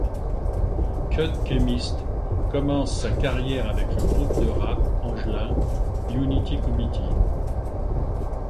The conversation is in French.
Cut Chemist commence sa carrière avec le groupe de rap angelin Unity Comitee.